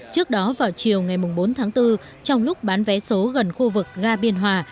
trước đó vào chiều ngày bốn tháng bốn trong lúc bán vé số gần khu vực ga biên hòa